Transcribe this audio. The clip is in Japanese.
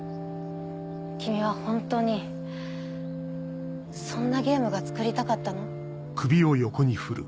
君はホントにそんなゲームが作りたかったの？